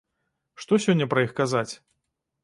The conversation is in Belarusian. Што сёння пра іх казаць?